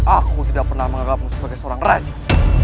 aku tidak pernah menganggapmu sebagai seorang rajin